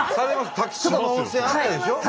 滝つぼの温泉あったでしょ？